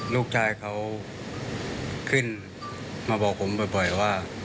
ลูกชายเขาขึ้นมาบอกผมบ่อยว่า